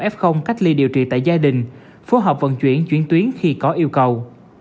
các trường hợp f cách ly điều trị tại gia đình phù hợp vận chuyển chuyển tuyến khi có yêu cầu